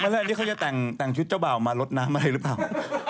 แล้วอันนี้เขาจะแต่งชุดเจ้าบ่าวมาลดน้ำอะไรหรือเปล่า